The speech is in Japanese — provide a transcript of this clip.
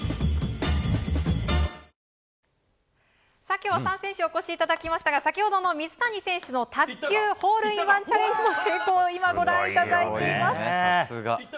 今日は３選手にお越しいただきましたが先ほどの水谷選手の卓球ホールインワンチャレンジの成功をご覧いただいています。